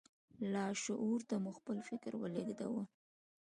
لاشعور ته مو خپل فکر ولېږدوئ.